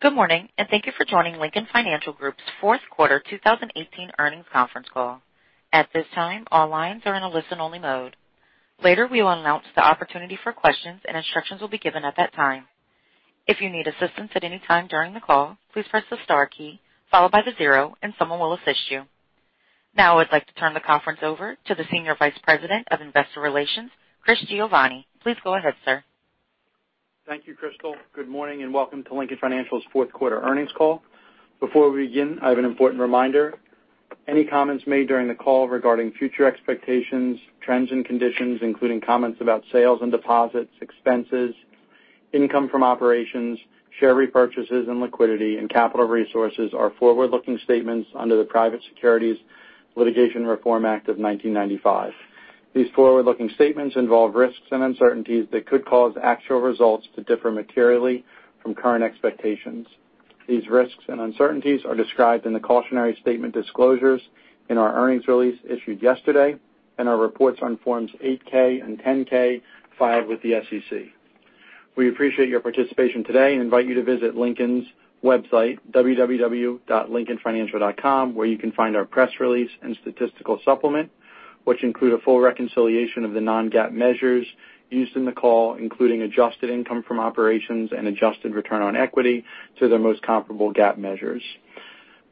Good morning, and thank you for joining Lincoln Financial Group's fourth quarter 2018 earnings conference call. At this time, all lines are in a listen-only mode. Later, we will announce the opportunity for questions, and instructions will be given at that time. If you need assistance at any time during the call, please press the star key followed by the 0 and someone will assist you. Now I'd like to turn the conference over to the Senior Vice President of Investor Relations, Christopher Giovanni. Please go ahead, sir. Thank you, Crystal. Good morning and welcome to Lincoln Financial's fourth quarter earnings call. Before we begin, I have an important reminder. Any comments made during the call regarding future expectations, trends, and conditions, including comments about sales and deposits, expenses, income from operations, share repurchases and liquidity, and capital resources are forward-looking statements under the Private Securities Litigation Reform Act of 1995. These forward-looking statements involve risks and uncertainties that could cause actual results to differ materially from current expectations. These risks and uncertainties are described in the cautionary statement disclosures in our earnings release issued yesterday and our reports on Forms 8-K and 10-K filed with the SEC. We appreciate your participation today and invite you to visit Lincoln's website, www.lincolnfinancial.com, where you can find our press release and statistical supplement, which include a full reconciliation of the non-GAAP measures used in the call, including adjusted income from operations and adjusted return on equity to their most comparable GAAP measures.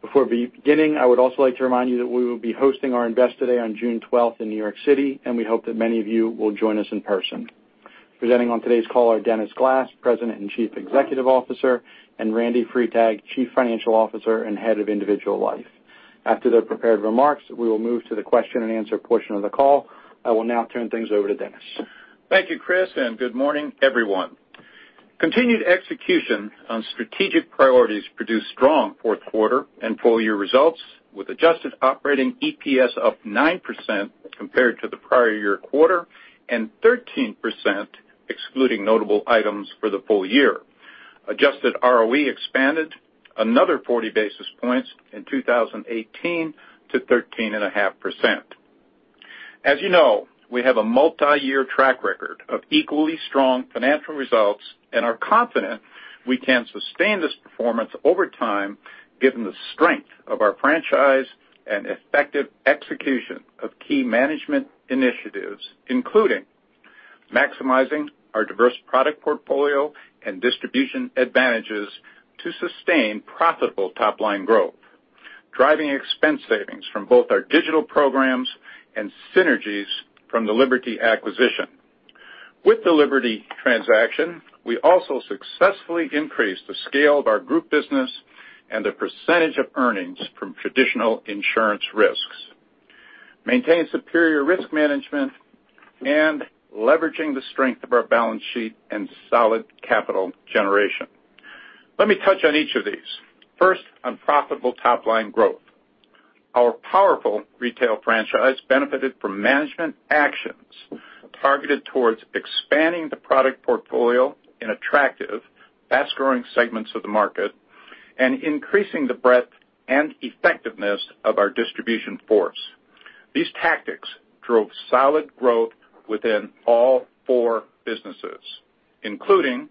Before beginning, I would also like to remind you that we will be hosting our Investor Day on June 12th in New York City, and we hope that many of you will join us in person. Presenting on today's call are Dennis Glass, President and Chief Executive Officer, and Randy Freitag, Chief Financial Officer and Head of Individual Life. After their prepared remarks, we will move to the question and answer portion of the call. I will now turn things over to Dennis. Thank you, Chris, and good morning, everyone. Continued execution on strategic priorities produced strong fourth quarter and full-year results, with adjusted operating EPS up 9% compared to the prior year quarter, and 13%, excluding notable items for the full year. Adjusted ROE expanded another 40 basis points in 2018 to 13.5%. As you know, we have a multi-year track record of equally strong financial results and are confident we can sustain this performance over time given the strength of our franchise and effective execution of key management initiatives. Including maximizing our diverse product portfolio and distribution advantages to sustain profitable top-line growth, driving expense savings from both our digital programs and synergies from the Liberty acquisition. With the Liberty transaction, we also successfully increased the scale of our group business and the percentage of earnings from traditional insurance risks, maintain superior risk management, and leveraging the strength of our balance sheet and solid capital generation. Let me touch on each of these. First, on profitable top-line growth. Our powerful retail franchise benefited from management actions targeted towards expanding the product portfolio in attractive, fast-growing segments of the market and increasing the breadth and effectiveness of our distribution force. These tactics drove solid growth within all four businesses, including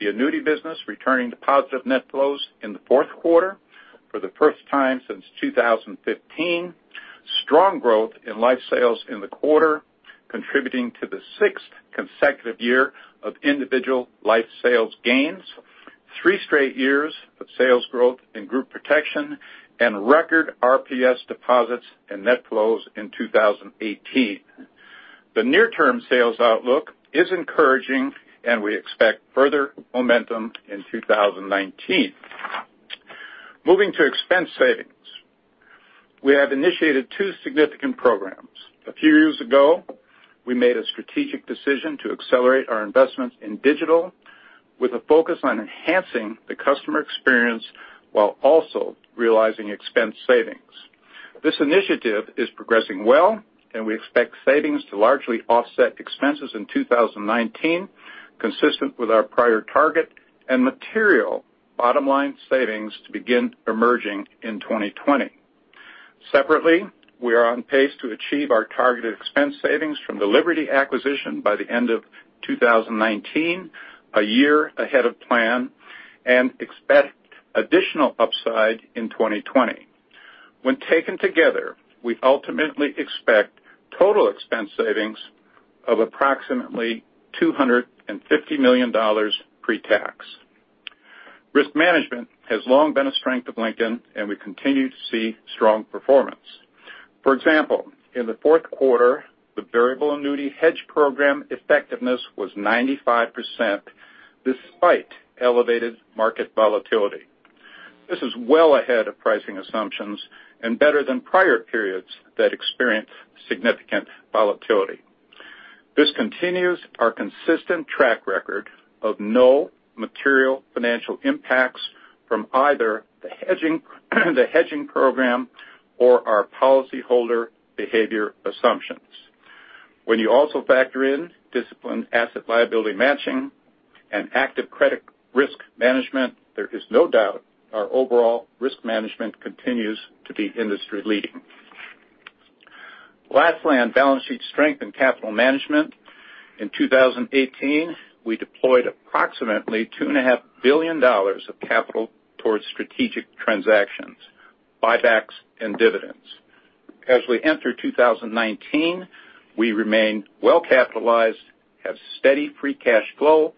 the annuity business returning to positive net flows in the fourth quarter for the first time since 2015, strong growth in life sales in the quarter, contributing to the sixth consecutive year of individual life sales gains, three straight years of sales growth in Group Protection, and record RPS deposits and net flows in 2018. The near-term sales outlook is encouraging. We expect further momentum in 2019. Moving to expense savings. We have initiated 2 significant programs. A few years ago, we made a strategic decision to accelerate our investments in digital with a focus on enhancing the customer experience while also realizing expense savings. This initiative is progressing well. We expect savings to largely offset expenses in 2019, consistent with our prior target and material bottom-line savings to begin emerging in 2020. Separately, we are on pace to achieve our targeted expense savings from the Liberty acquisition by the end of 2019, a year ahead of plan, and expect additional upside in 2020. When taken together, we ultimately expect total expense savings of approximately $250 million pre-tax. Risk management has long been a strength of Lincoln. We continue to see strong performance. For example, in the fourth quarter, the variable annuity hedge program effectiveness was 95%, despite elevated market volatility. This is well ahead of pricing assumptions and better than prior periods that experienced significant volatility. This continues our consistent track record of no material financial impacts from either the hedging program or our policyholder behavior assumptions. When you also factor in disciplined asset liability matching and active credit risk management, there is no doubt our overall risk management continues to be industry leading. Lastly, on balance sheet strength and capital management. In 2018, we deployed approximately $2.5 billion of capital towards strategic transactions, buybacks, and dividends. As we enter 2019, we remain well-capitalized, have steady free cash flow.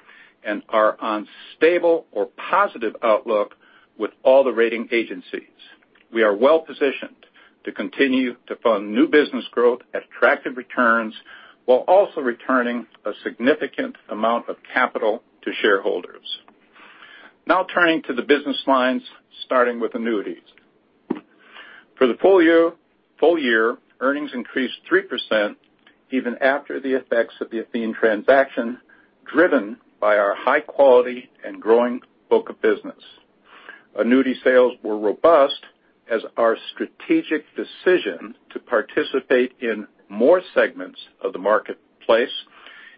We are on stable or positive outlook with all the rating agencies. We are well-positioned to continue to fund new business growth at attractive returns while also returning a significant amount of capital to shareholders. Now turning to the business lines, starting with annuities. For the full year, earnings increased 3%, even after the effects of the Athene transaction, driven by our high quality and growing book of business. Annuity sales were robust as our strategic decision to participate in more segments of the marketplace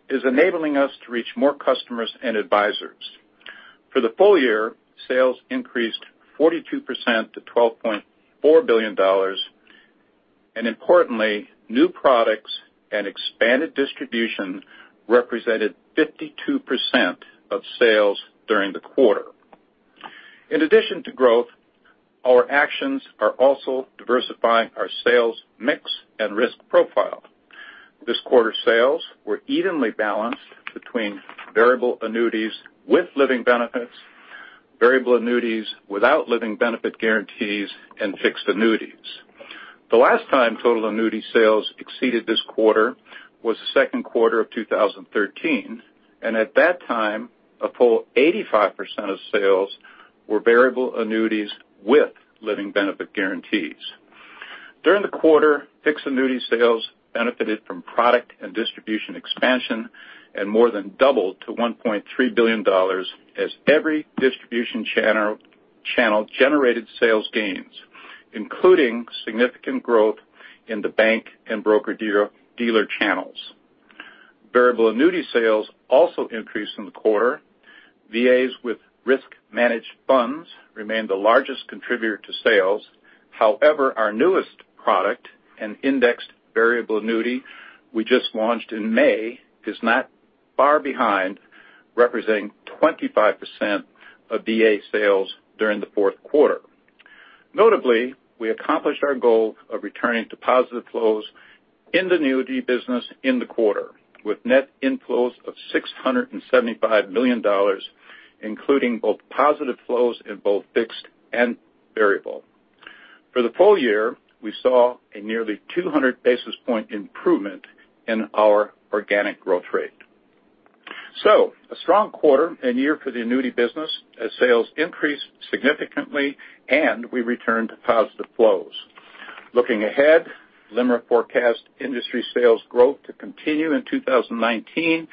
is enabling us to reach more customers and advisors. For the full year, sales increased 42% to $12.4 billion. Importantly, new products and expanded distribution represented 52% of sales during the quarter. In addition to growth, our actions are also diversifying our sales mix and risk profile. This quarter sales were evenly balanced between variable annuities with living benefits, variable annuities without living benefit guarantees, and fixed annuities. The last time total annuity sales exceeded this quarter was the second quarter of 2013, and at that time, a full 85% of sales were variable annuities with living benefit guarantees. During the quarter, fixed annuity sales benefited from product and distribution expansion and more than doubled to $1.3 billion as every distribution channel generated sales gains, including significant growth in the bank and broker dealer channels. Variable annuity sales also increased in the quarter. VAs with risk-managed funds remain the largest contributor to sales. However, our newest product, an indexed variable annuity we just launched in May, is not far behind, representing 25% of VA sales during the fourth quarter. Notably, we accomplished our goal of returning to positive flows in the annuity business in the quarter with net inflows of $675 million, including both positive flows in both fixed and variable. For the full year, we saw a nearly 200 basis point improvement in our organic growth rate. A strong quarter and year for the annuity business as sales increased significantly and we returned to positive flows. Looking ahead, LIMRA forecasts industry sales growth to continue in 2019,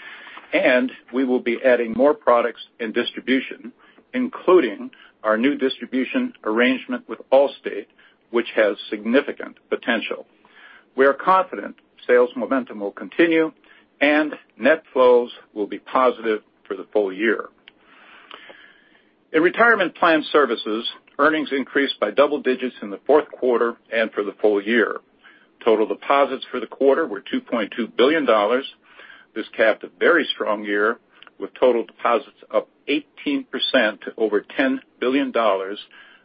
and we will be adding more products and distribution, including our new distribution arrangement with Allstate, which has significant potential. We are confident sales momentum will continue and net flows will be positive for the full year. In Retirement Plan Services, earnings increased by double digits in the fourth quarter and for the full year. Total deposits for the quarter were $2.2 billion. This capped a very strong year with total deposits up 18% to over $10 billion,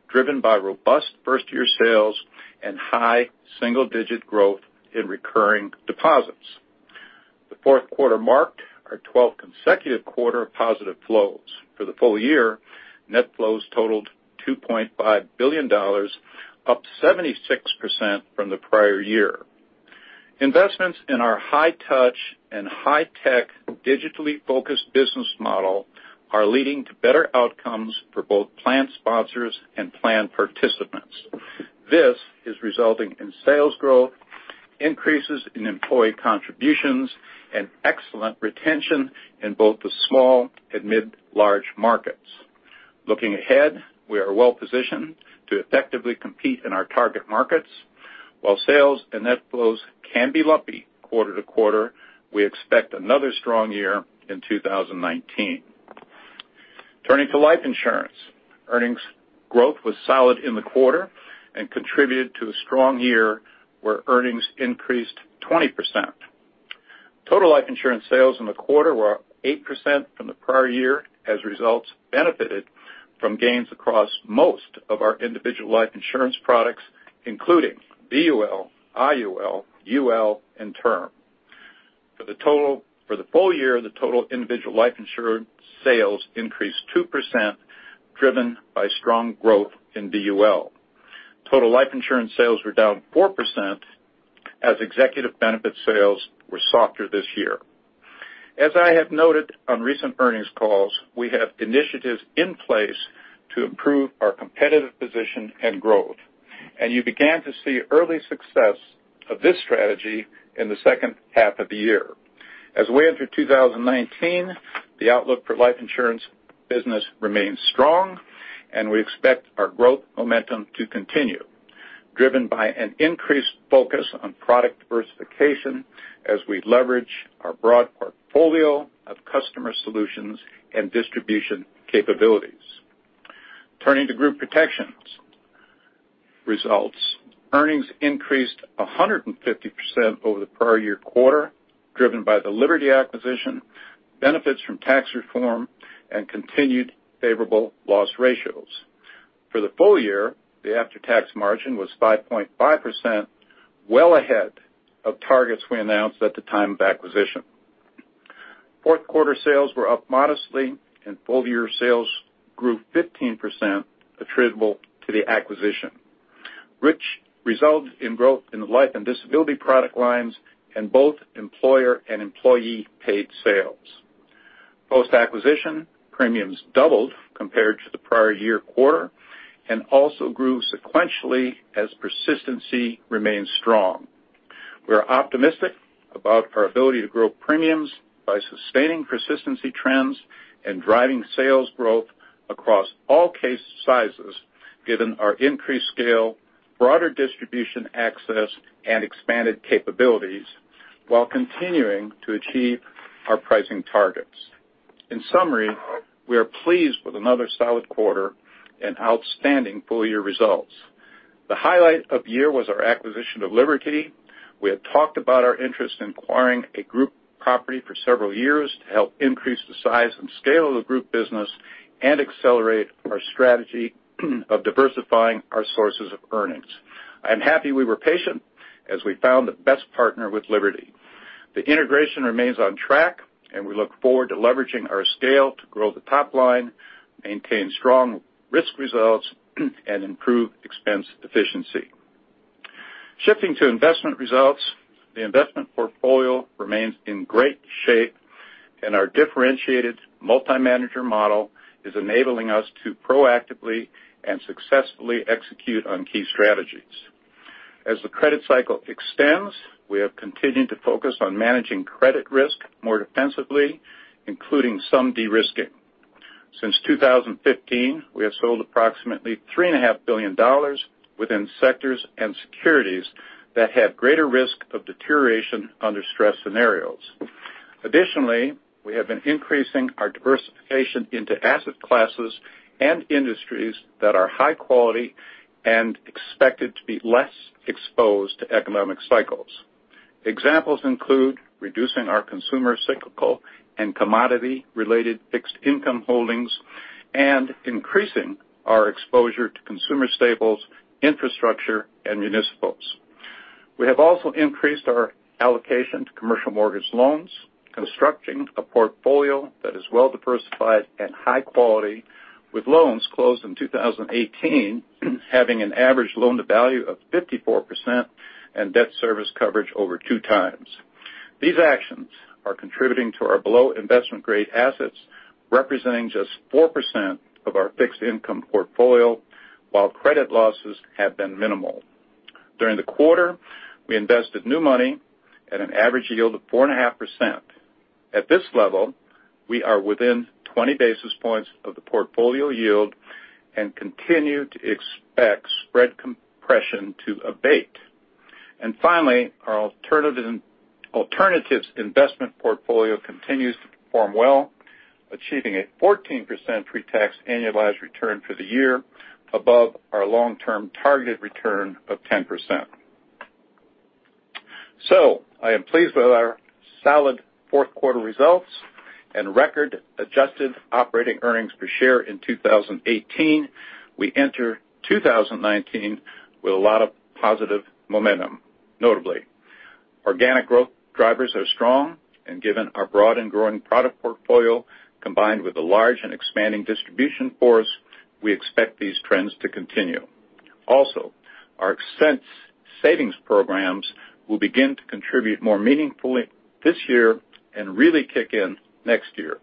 driven by robust first-year sales and high single-digit growth in recurring deposits. The fourth quarter marked our 12th consecutive quarter of positive flows. For the full year, net flows totaled $2.5 billion, up 76% from the prior year. Investments in our high touch and high tech digitally focused business model are leading to better outcomes for both plan sponsors and plan participants. This is resulting in sales growth, increases in employee contributions, and excellent retention in both the small and mid large markets. Looking ahead, we are well positioned to effectively compete in our target markets. While sales and net flows can be lumpy quarter to quarter, we expect another strong year in 2019. Turning to life insurance. Earnings growth was solid in the quarter and contributed to a strong year where earnings increased 20%. Total life insurance sales in the quarter were up 8% from the prior year as results benefited from gains across most of our individual life insurance products, including BUL, IUL, UL, and term. For the full year, the total individual life insurance sales increased 2%, driven by strong growth in BUL. Total life insurance sales were down 4% as executive benefit sales were softer this year. As I have noted on recent earnings calls, we have initiatives in place to improve our competitive position and growth. You began to see early success of this strategy in the second half of the year. As we enter 2019, the outlook for life insurance business remains strong, and we expect our growth momentum to continue, driven by an increased focus on product diversification as we leverage our broad portfolio of customer solutions and distribution capabilities. Turning to Group Protection results. Earnings increased 150% over the prior year quarter, driven by the Liberty acquisition, benefits from tax reform, and continued favorable loss ratios. For the full year, the after-tax margin was 5.5%, well ahead of targets we announced at the time of acquisition. Fourth quarter sales were up modestly and full-year sales grew 15% attributable to the acquisition, which resulted in growth in the Life and Disability product lines and both employer and employee paid sales. Post-acquisition, premiums doubled compared to the prior year quarter and also grew sequentially as persistency remains strong. We are optimistic about our ability to grow premiums by sustaining persistency trends and driving sales growth across all case sizes given our increased scale, broader distribution access, and expanded capabilities while continuing to achieve our pricing targets. In summary, we are pleased with another solid quarter and outstanding full-year results. The highlight of the year was our acquisition of Liberty. We had talked about our interest in acquiring a group property for several years to help increase the size and scale of the group business and accelerate our strategy of diversifying our sources of earnings. I'm happy we were patient as we found the best partner with Liberty. The integration remains on track. We look forward to leveraging our scale to grow the top line, maintain strong risk results, and improve expense efficiency. Shifting to investment results, the investment portfolio remains in great shape. Our differentiated multi-manager model is enabling us to proactively and successfully execute on key strategies. As the credit cycle extends, we have continued to focus on managing credit risk more defensively, including some de-risking. Since 2015, we have sold approximately $3.5 billion within sectors and securities that have greater risk of deterioration under stress scenarios. We have been increasing our diversification into asset classes and industries that are high quality and expected to be less exposed to economic cycles. Examples include reducing our consumer cyclical and commodity-related fixed income holdings, increasing our exposure to consumer staples, infrastructure, and municipals. We have also increased our allocation to commercial mortgage loans, constructing a portfolio that is well-diversified and high quality, with loans closed in 2018 having an average loan to value of 54% and debt service coverage over two times. These actions are contributing to our below investment-grade assets, representing just 4% of our fixed income portfolio while credit losses have been minimal. During the quarter, we invested new money at an average yield of 4.5%. This level, we are within 20 basis points of the portfolio yield and continue to expect spread compression to abate. Finally, our alternatives investment portfolio continues to perform well, achieving a 14% pretax annualized return for the year, above our long-term targeted return of 10%. I am pleased with our solid fourth quarter results and record adjusted operating earnings per share in 2018. We enter 2019 with a lot of positive momentum. Notably, organic growth drivers are strong, given our broad and growing product portfolio, combined with a large and expanding distribution force, we expect these trends to continue. Our expense savings programs will begin to contribute more meaningfully this year and really kick in next year.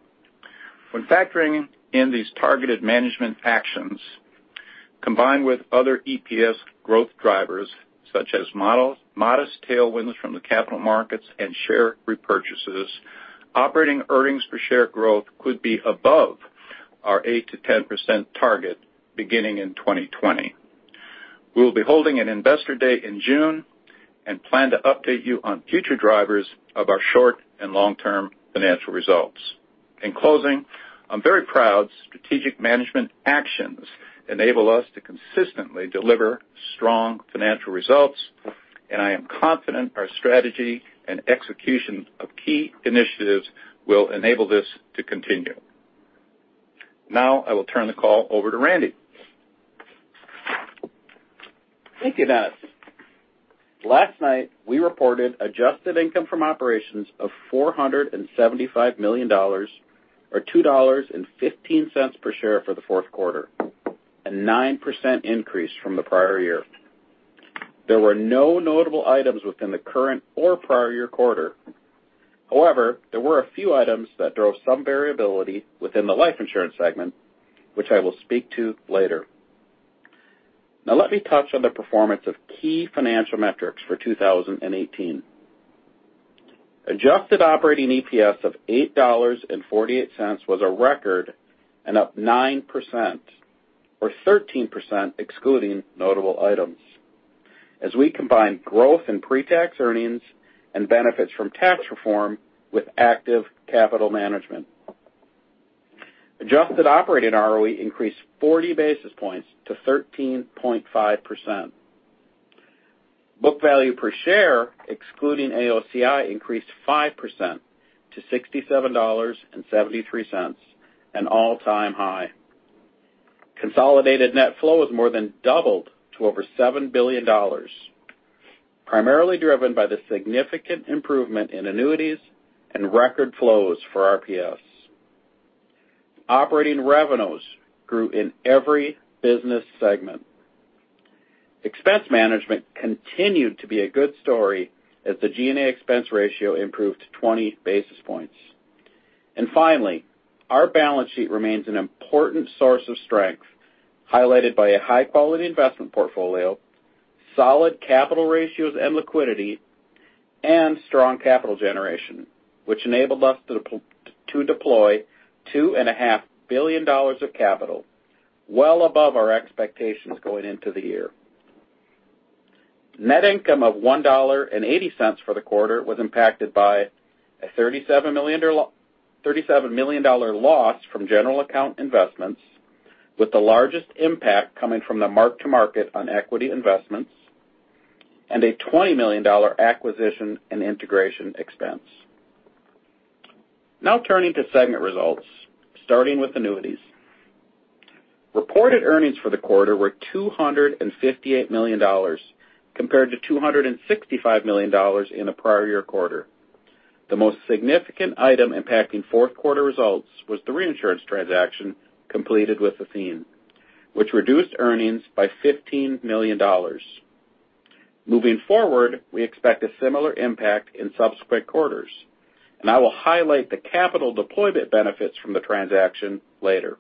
When factoring in these targeted management actions, combined with other EPS growth drivers such as modest tailwinds from the capital markets and share repurchases, operating earnings per share growth could be above our 8%-10% target beginning in 2020. We will be holding an Investor Day in June and plan to update you on future drivers of our short and long-term financial results. In closing, I am very proud strategic management actions enable us to consistently deliver strong financial results, and I am confident our strategy and execution of key initiatives will enable this to continue. I will turn the call over to Randy. Thank you, Dennis. Last night, we reported adjusted income from operations of $475 million or $2.15 per share for the fourth quarter, a 9% increase from the prior year. There were no notable items within the current or prior year quarter. However, there were a few items that drove some variability within the life insurance segment, which I will speak to later. Let me touch on the performance of key financial metrics for 2018. Adjusted operating EPS of $8.48 was a record and up 9%, or 13% excluding notable items. As we combine growth in pre-tax earnings and benefits from tax reform with active capital management. Adjusted operating ROE increased 40 basis points to 13.5%. Book value per share, excluding AOCI, increased 5% to $67.73, an all-time high. Consolidated net flow has more than doubled to over $7 billion, primarily driven by the significant improvement in annuities and record flows for RPS. Operating revenues grew in every business segment. Expense management continued to be a good story as the G&A expense ratio improved 20 basis points. Finally, our balance sheet remains an important source of strength, highlighted by a high-quality investment portfolio, solid capital ratios and liquidity, and strong capital generation, which enabled us to deploy $2.5 billion of capital, well above our expectations going into the year. Net income of $1.80 for the quarter was impacted by a $37 million loss from general account investments, with the largest impact coming from the mark-to-market on equity investments and a $20 million acquisition and integration expense. Turning to segment results, starting with annuities. Reported earnings for the quarter were $258 million compared to $265 million in the prior year quarter. The most significant item impacting fourth quarter results was the reinsurance transaction completed with Athene, which reduced earnings by $15 million. Moving forward, we expect a similar impact in subsequent quarters, and I will highlight the capital deployment benefits from the transaction later.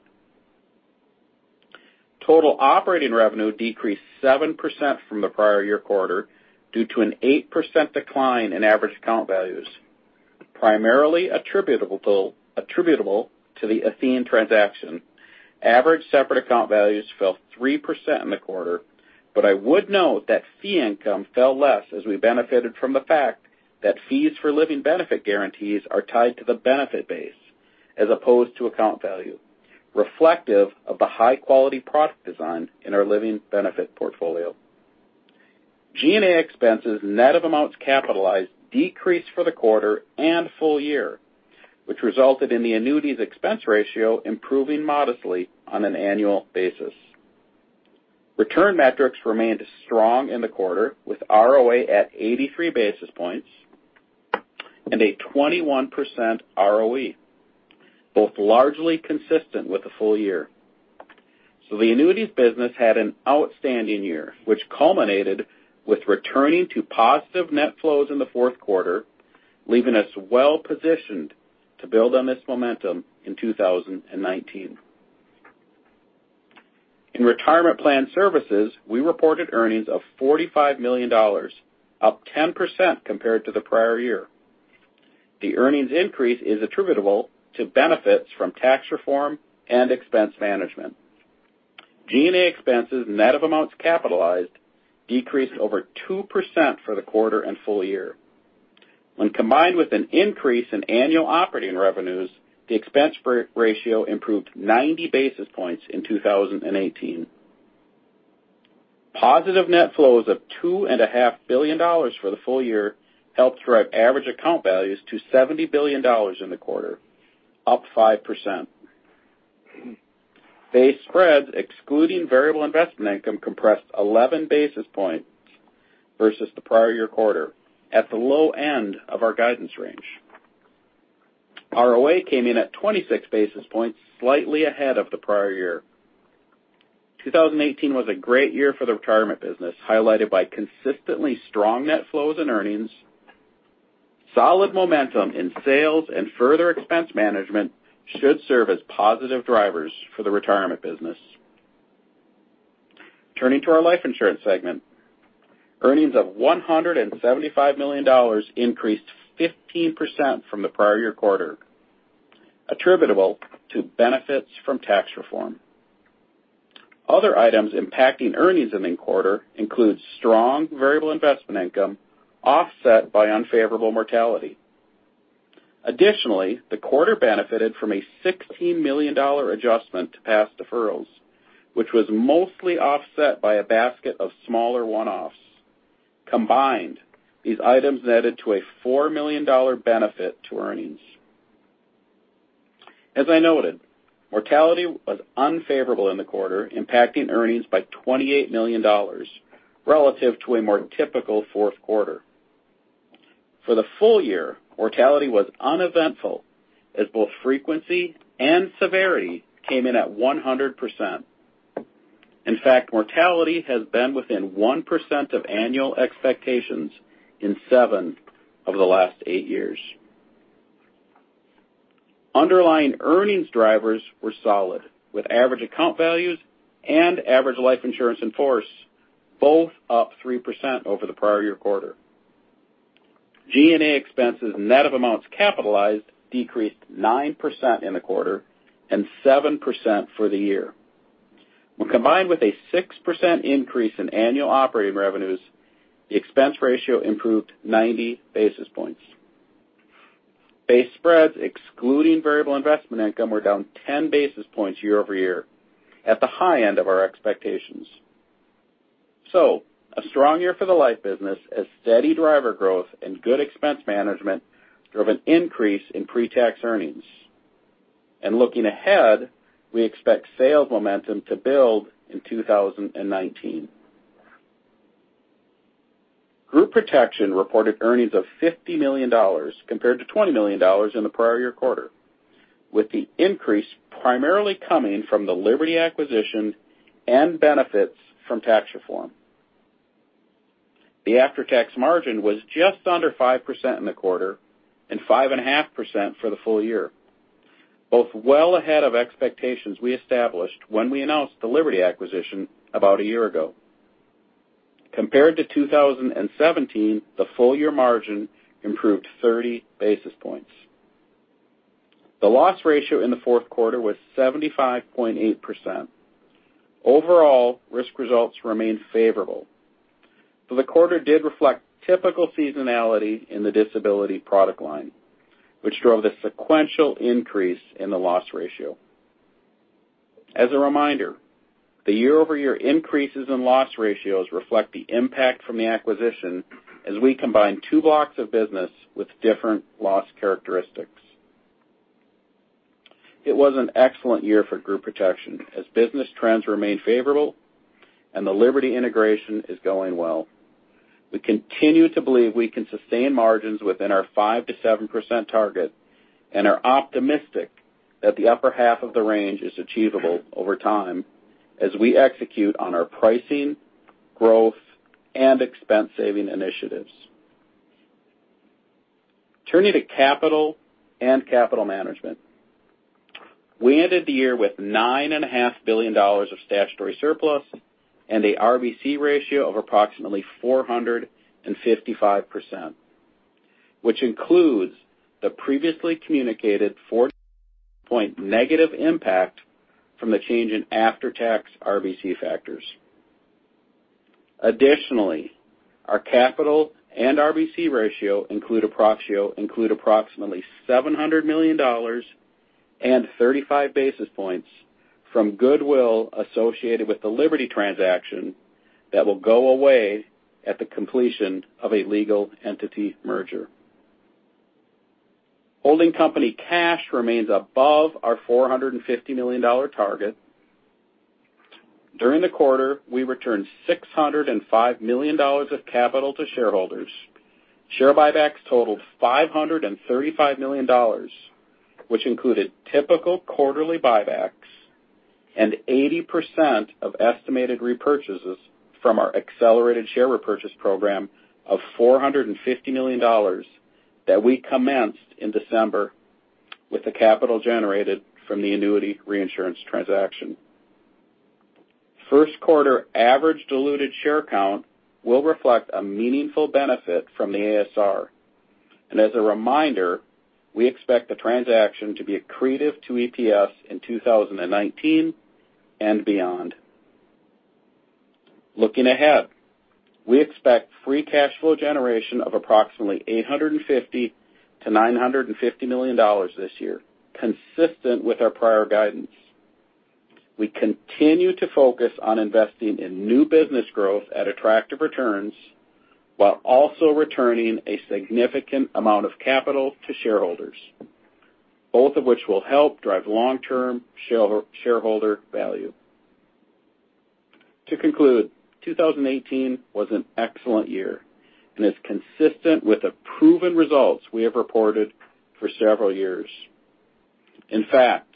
Total operating revenue decreased 7% from the prior year quarter due to an 8% decline in average account values, primarily attributable to the Athene transaction. Average separate account values fell 3% in the quarter, but I would note that fee income fell less as we benefited from the fact that fees for living benefit guarantees are tied to the benefit base as opposed to account value, reflective of the high-quality product design in our living benefit portfolio. G&A expenses, net of amounts capitalized decreased for the quarter and full year, which resulted in the annuities expense ratio improving modestly on an annual basis. Return metrics remained strong in the quarter, with ROA at 83 basis points and a 21% ROE, both largely consistent with the full year. The annuities business had an outstanding year, which culminated with returning to positive net flows in the fourth quarter, leaving us well-positioned to build on this momentum in 2019. In Retirement Plan Services, we reported earnings of $45 million, up 10% compared to the prior year. The earnings increase is attributable to benefits from tax reform and expense management. G&A expenses, net of amounts capitalized, decreased over 2% for the quarter and full year. When combined with an increase in annual operating revenues, the expense ratio improved 90 basis points in 2018. Positive net flows of $2.5 billion for the full year helped drive average account values to $70 billion in the quarter, up 5%. Base spreads excluding variable investment income compressed 11 basis points versus the prior year quarter at the low end of our guidance range. ROA came in at 26 basis points, slightly ahead of the prior year. 2018 was a great year for the retirement business, highlighted by consistently strong net flows and earnings. Solid momentum in sales and further expense management should serve as positive drivers for the retirement business. Turning to our life insurance segment. Earnings of $175 million increased 15% from the prior year quarter, attributable to benefits from tax reform. Other items impacting earnings in the quarter include strong variable investment income offset by unfavorable mortality. Additionally, the quarter benefited from a $16 million adjustment to past deferrals, which was mostly offset by a basket of smaller one-offs. Combined, these items netted to a $4 million benefit to earnings. As I noted, mortality was unfavorable in the quarter, impacting earnings by $28 million relative to a more typical fourth quarter. For the full year, mortality was uneventful as both frequency and severity came in at 100%. In fact, mortality has been within 1% of annual expectations in seven of the last eight years. Underlying earnings drivers were solid, with average account values and average life insurance in force both up 3% over the prior year quarter. G&A expenses, net of amounts capitalized, decreased 9% in the quarter and 7% for the year. When combined with a 6% increase in annual operating revenues, the expense ratio improved 90 basis points. Base spreads, excluding variable investment income, were down 10 basis points year-over-year, at the high end of our expectations. A strong year for the life business as steady driver growth and good expense management drove an increase in pre-tax earnings. Looking ahead, we expect sales momentum to build in 2019. Group Protection reported earnings of $50 million compared to $20 million in the prior year quarter, with the increase primarily coming from the Liberty acquisition and benefits from tax reform. The after-tax margin was just under 5% in the quarter and 5.5% for the full year, both well ahead of expectations we established when we announced the Liberty acquisition about a year ago. Compared to 2017, the full year margin improved 30 basis points. The loss ratio in the fourth quarter was 75.8%. Overall, risk results remained favorable, though the quarter did reflect typical seasonality in the disability product line, which drove the sequential increase in the loss ratio. As a reminder, the year-over-year increases in loss ratios reflect the impact from the acquisition as we combine two blocks of business with different loss characteristics. It was an excellent year for Group Protection as business trends remained favorable and the Liberty integration is going well. We continue to believe we can sustain margins within our 5%-7% target and are optimistic that the upper half of the range is achievable over time as we execute on our pricing, growth, and expense saving initiatives. Turning to capital and capital management. We ended the year with $9.5 billion of statutory surplus and a RBC ratio of approximately 455%, which includes the previously communicated four point negative impact from the change in after-tax RBC factors. Our capital and RBC ratio include approximately $700 million and 35 basis points from goodwill associated with the Liberty transaction that will go away at the completion of a legal entity merger. Holding company cash remains above our $450 million target. During the quarter, we returned $605 million of capital to shareholders. Share buybacks totaled $535 million, which included typical quarterly buybacks and 80% of estimated repurchases from our accelerated share repurchase program of $450 million that we commenced in December with the capital generated from the annuity reinsurance transaction. First quarter average diluted share count will reflect a meaningful benefit from the ASR. As a reminder, we expect the transaction to be accretive to EPS in 2019 and beyond. Looking ahead, we expect free cash flow generation of approximately $850 million-$950 million this year, consistent with our prior guidance. We continue to focus on investing in new business growth at attractive returns while also returning a significant amount of capital to shareholders, both of which will help drive long-term shareholder value. To conclude, 2018 was an excellent year and is consistent with the proven results we have reported for several years. In fact,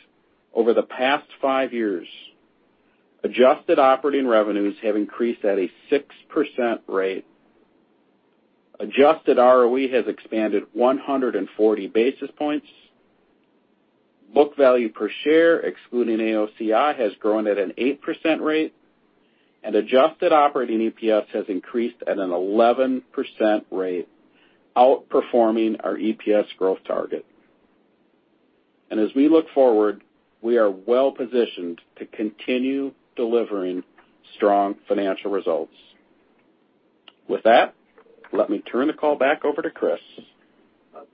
over the past five years, adjusted operating revenues have increased at a 6% rate. Adjusted ROE has expanded 140 basis points. Book value per share, excluding AOCI, has grown at an 8% rate, and adjusted operating EPS has increased at an 11% rate, outperforming our EPS growth target. As we look forward, we are well positioned to continue delivering strong financial results. With that, let me turn the call back over to Chris.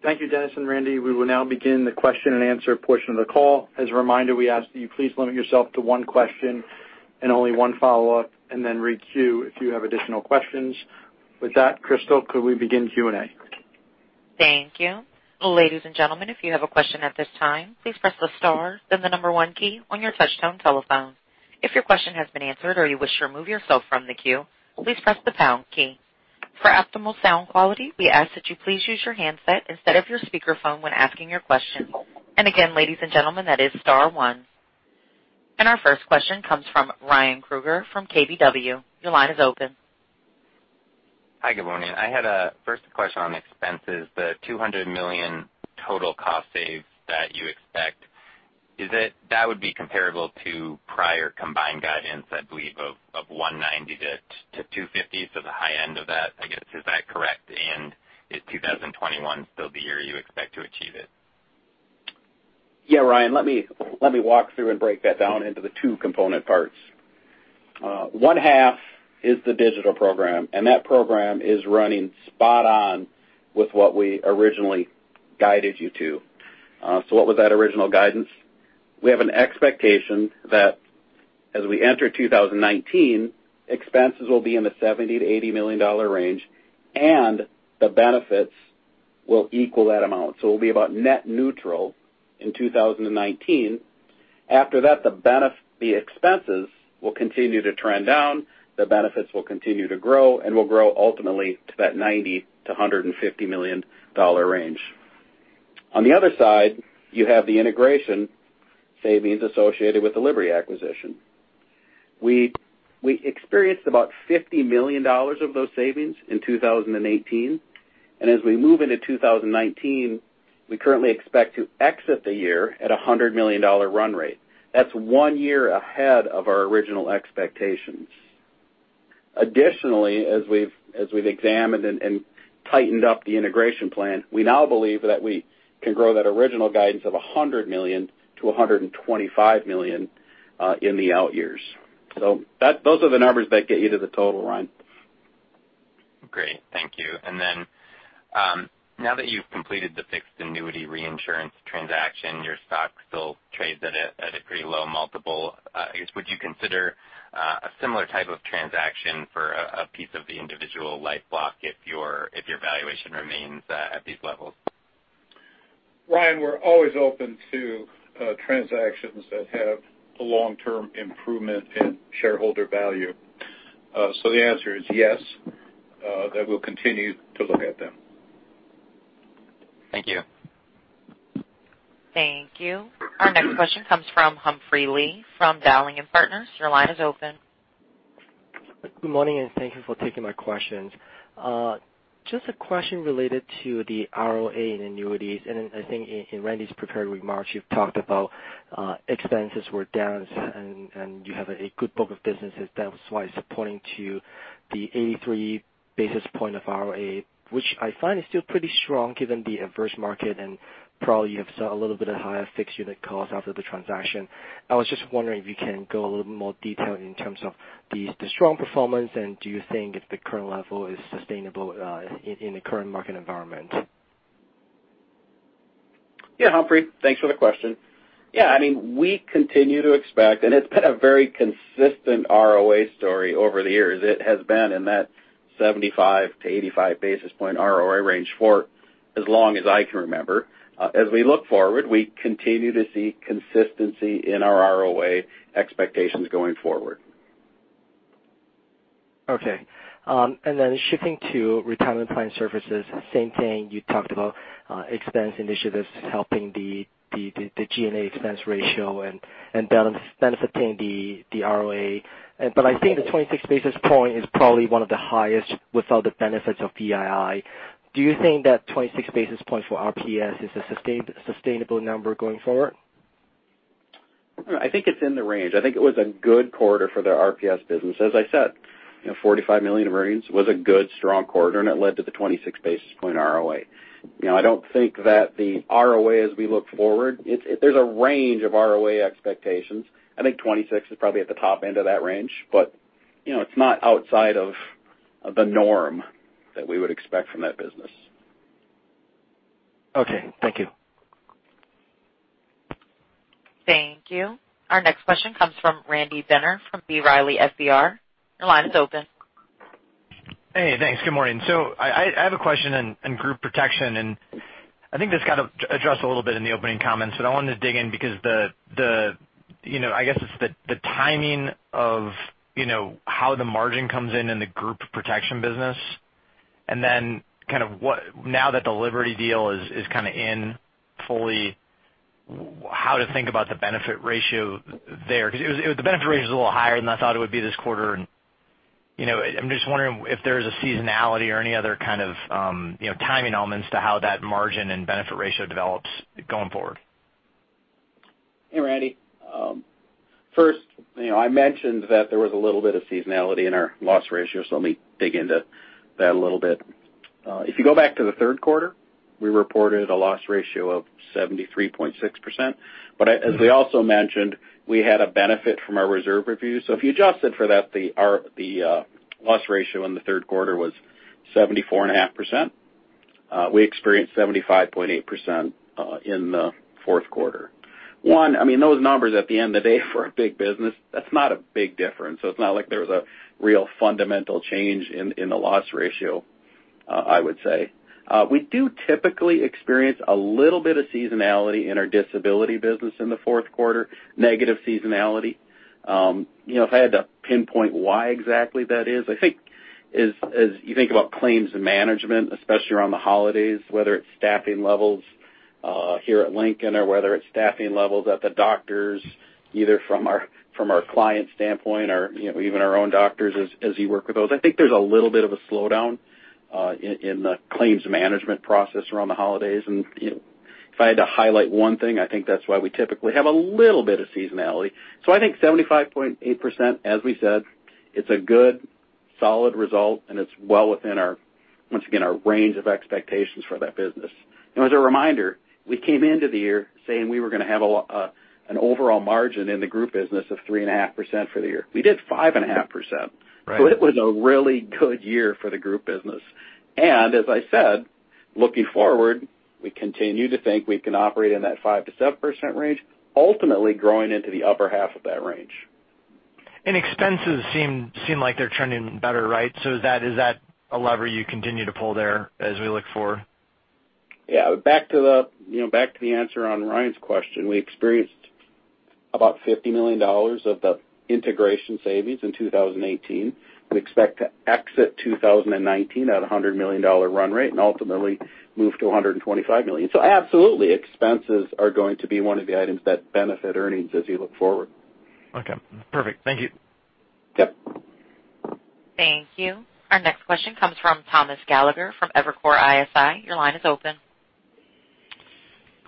Thank you, Dennis and Randy. We will now begin the question and answer portion of the call. As a reminder, we ask that you please limit yourself to one question and only one follow-up, and then re-queue if you have additional questions. With that, Crystal, could we begin Q&A? Thank you. Ladies and gentlemen, if you have a question at this time, please press the star then the number 1 key on your touch tone telephone. If your question has been answered or you wish to remove yourself from the queue, please press the pound key. For optimal sound quality, we ask that you please use your handset instead of your speakerphone when asking your question. Again, ladies and gentlemen, that is star 1. Our first question comes from Ryan Krueger from KBW. Your line is open. Hi. Good morning. I had a first question on expenses, the $200 million total cost saves that you expect. Is it that would be comparable to prior combined guidance, I believe of $190 million to $250 million, so the high end of that, I guess. Is that correct? Is 2021 still the year you expect to achieve it? Yeah, Ryan, let me walk through and break that down into the 2 component parts. One half is the digital program. That program is running spot on with what we originally guided you to. What was that original guidance? We have an expectation that as we enter 2019, expenses will be in the $70 million to $80 million range, and the benefits will equal that amount. We'll be about net neutral in 2019. After that, the expenses will continue to trend down, the benefits will continue to grow and will grow ultimately to that $90 million to $150 million range. On the other side, you have the integration savings associated with the Liberty acquisition. We experienced about $50 million of those savings in 2018. As we move into 2019, we currently expect to exit the year at $100 million run rate. That's 1 year ahead of our original expectations. Additionally, as we've examined and tightened up the integration plan, we now believe that we can grow that original guidance of $100 million to $125 million in the out years. Those are the numbers that get you to the total, Ryan. Great. Thank you. Now that you've completed the fixed annuity reinsurance transaction, your stock still trades at a pretty low multiple. I guess, would you consider a similar type of transaction for a piece of the individual life block if your valuation remains at these levels? Ryan, we're always open to transactions that have long-term improvement in shareholder value. The answer is yes, that we'll continue to look at them. Thank you. Thank you. Our next question comes from Humphrey Lee from Dowling & Partners. Your line is open. Good morning, and thank you for taking my questions. Just a question related to the ROA and annuities. Then I think in Randy's prepared remarks, you've talked about expenses were down, and you have a good book of business. That was why supporting to the 83 basis points of ROA, which I find is still pretty strong given the adverse market. Probably you have a little bit of higher fixed unit cost after the transaction. I was just wondering if you can go a little bit more detail in terms of the strong performance. Do you think if the current level is sustainable in the current market environment? Humphrey. Thanks for the question. We continue to expect. It's been a very consistent ROA story over the years. It has been in that 75-85 basis points ROA range for as long as I can remember. As we look forward, we continue to see consistency in our ROA expectations going forward. Okay. Shifting to Retirement Plan Services, same thing you talked about expense initiatives helping the G&A expense ratio and benefiting the ROA. I think the 26 basis points is probably one of the highest without the benefits of VII. Do you think that 26 basis points for RPS is a sustainable number going forward? I think it's in the range. I think it was a good quarter for the RPS business. As I said, $45 million earnings was a good, strong quarter. It led to the 26 basis points ROA. I don't think that the ROA as we look forward, there's a range of ROA expectations. I think 26 is probably at the top end of that range. It's not outside of the norm that we would expect from that business. Okay. Thank you. Thank you. Our next question comes from Randy Binner from B. Riley FBR. Your line is open. Hey, thanks. Good morning. I have a question in Group Protection, and I think this got addressed a little bit in the opening comments, but I wanted to dig in because I guess it's the timing of how the margin comes in in the Group Protection business, and then now that the Liberty deal is in fully, how to think about the benefit ratio there. The benefit ratio is a little higher than I thought it would be this quarter, and I'm just wondering if there's a seasonality or any other kind of timing elements to how that margin and benefit ratio develops going forward. Hey, Randy. First, I mentioned that there was a little bit of seasonality in our loss ratio, let me dig into that a little bit. If you go back to the third quarter, we reported a loss ratio of 73.6%, but as we also mentioned, we had a benefit from our reserve review. If you adjusted for that, the loss ratio in the third quarter was 74.5%. We experienced 75.8% in the fourth quarter. One, those numbers at the end of the day for a big business, that's not a big difference. It's not like there was a real fundamental change in the loss ratio, I would say. We do typically experience a little bit of seasonality in our disability business in the fourth quarter, negative seasonality. If I had to pinpoint why exactly that is, I think as you think about claims management, especially around the holidays, whether it's staffing levels here at Lincoln or whether it's staffing levels at the doctors, either from our client standpoint or even our own doctors as you work with those. I think there's a little bit of a slowdown in the claims management process around the holidays. If I had to highlight one thing, I think that's why we typically have a little bit of seasonality. I think 75.8%, as we said, it's a good solid result, and it's well within our, once again, our range of expectations for that business. As a reminder, we came into the year saying we were going to have an overall margin in the Group business of 3.5% for the year. We did 5.5%. Right. It was a really good year for the Group business. As I said, looking forward, we continue to think we can operate in that 5%-7% range, ultimately growing into the upper half of that range. Expenses seem like they're trending better, right? Is that a lever you continue to pull there as we look forward? Yeah. Back to the answer on Ryan's question, we experienced about $50 million of the integration savings in 2018. We expect to exit 2019 at $100 million run rate and ultimately move to $125 million. Absolutely, expenses are going to be one of the items that benefit earnings as we look forward. Okay, perfect. Thank you. Yep. Thank you. Our next question comes from Thomas Gallagher from Evercore ISI. Your line is open.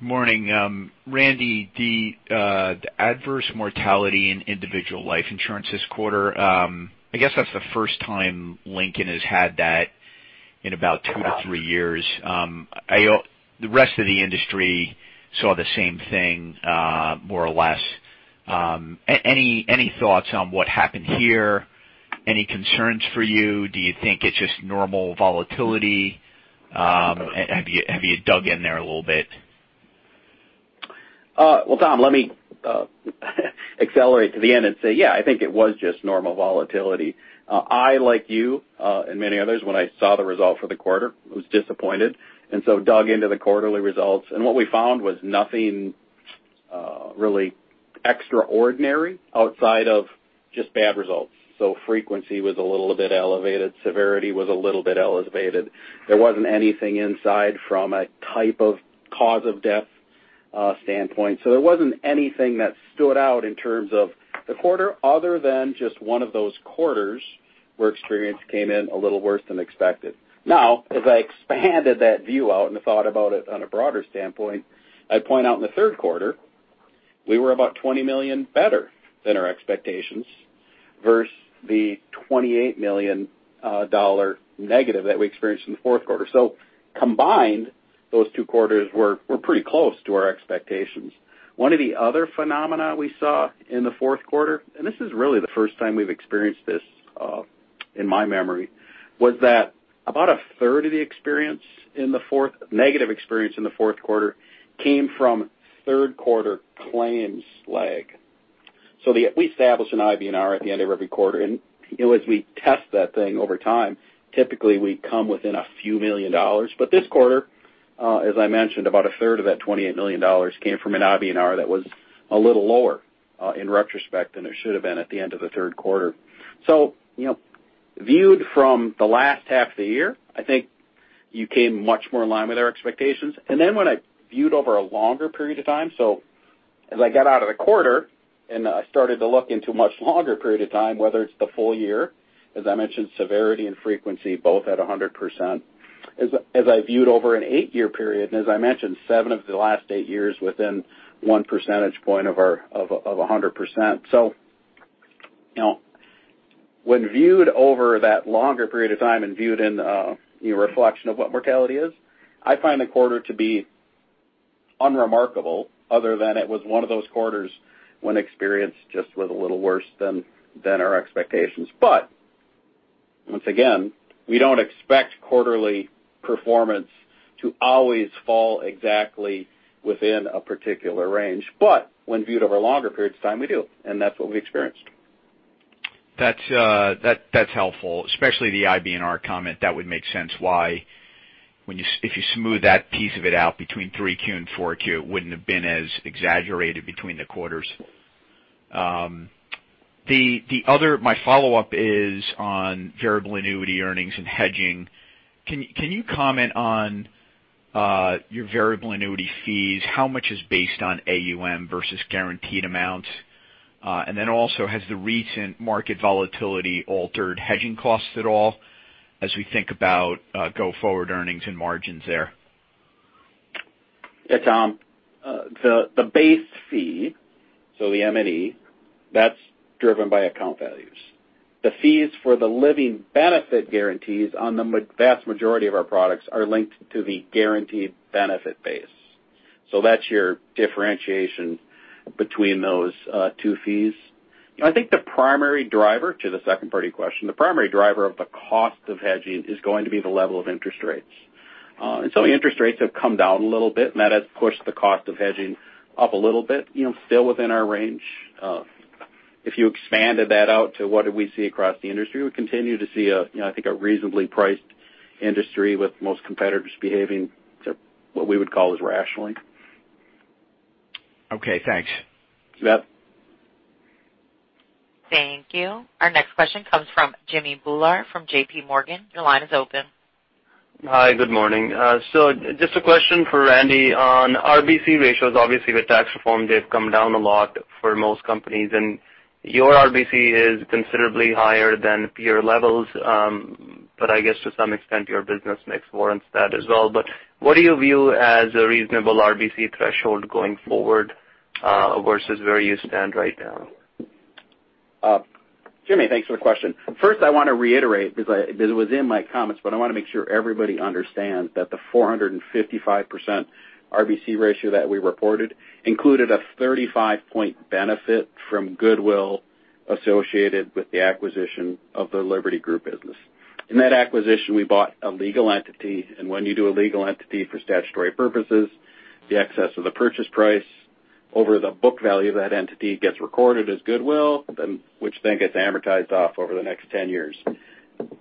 Good morning. Randy, the adverse mortality in individual life insurance this quarter, I guess that's the first time Lincoln has had that in about 2-3 years. The rest of the industry saw the same thing, more or less. Any thoughts on what happened here? Any concerns for you? Do you think it's just normal volatility? Have you dug in there a little bit? Well, Tom, let me accelerate to the end and say, yeah, I think it was just normal volatility. I, like you, and many others, when I saw the result for the quarter, was disappointed, dug into the quarterly results. What we found was nothing really extraordinary outside of just bad results. Frequency was a little bit elevated, severity was a little bit elevated. There wasn't anything inside from a type of cause of death standpoint. There wasn't anything that stood out in terms of the quarter other than just one of those quarters where experience came in a little worse than expected. As I expanded that view out and thought about it on a broader standpoint, I'd point out in the third quarter, we were about $20 million better than our expectations versus the $28 million negative that we experienced in the fourth quarter. Combined, those two quarters were pretty close to our expectations. One of the other phenomena we saw in the fourth quarter, and this is really the first time we've experienced this in my memory, was that about a third of the negative experience in the fourth quarter came from third quarter claims lag. We establish an IBNR at the end of every quarter, and as we test that thing over time, typically we come within a few million dollars. This quarter, as I mentioned, about a third of that $28 million came from an IBNR that was a little lower in retrospect than it should have been at the end of the third quarter. Viewed from the last half of the year, I think you came much more in line with our expectations. When I viewed over a longer period of time, so as I got out of the quarter and I started to look into a much longer period of time, whether it's the full year, as I mentioned, severity and frequency both at 100%. As I viewed over an eight-year period, and as I mentioned, seven of the last eight years within one percentage point of 100%. When viewed over that longer period of time and viewed in reflection of what mortality is, I find the quarter to be unremarkable other than it was one of those quarters when experience just was a little worse than our expectations. Once again, we don't expect quarterly performance to always fall exactly within a particular range. When viewed over longer periods of time, we do, and that's what we experienced. That's helpful, especially the IBNR comment. That would make sense why if you smooth that piece of it out between 3Q and 4Q, it wouldn't have been as exaggerated between the quarters. My follow-up is on variable annuity earnings and hedging. Can you comment on your variable annuity fees? How much is based on AUM versus guaranteed amounts? Also, has the recent market volatility altered hedging costs at all as we think about go forward earnings and margins there? Yeah, Tom. The base fee, so the M&E, that's driven by account values. The fees for the living benefit guarantees on the vast majority of our products are linked to the guaranteed benefit base. That's your differentiation between those two fees. I think the primary driver, to the second part of your question, the primary driver of the cost of hedging is going to be the level of interest rates. Interest rates have come down a little bit, and that has pushed the cost of hedging up a little bit, still within our range. If you expanded that out to what do we see across the industry, we continue to see a, I think a reasonably priced industry with most competitors behaving what we would call as rationally. Okay, thanks. Yep. Thank you. Our next question comes from Jimmy Bhullar from J.P. Morgan. Your line is open. Hi, good morning. Just a question for Randy on RBC ratios. Obviously, with tax reform, they've come down a lot for most companies, and your RBC is considerably higher than peer levels. I guess to some extent, your business mix warrants that as well. What do you view as a reasonable RBC threshold going forward, versus where you stand right now? Jimmy, thanks for the question. First, I want to reiterate, because it was in my comments, but I want to make sure everybody understands that the 455% RBC ratio that we reported included a 35-point benefit from goodwill associated with the acquisition of the Liberty Group business. In that acquisition, we bought a legal entity, and when you do a legal entity for statutory purposes, the excess of the purchase price over the book value of that entity gets recorded as goodwill, which then gets amortized off over the next 10 years.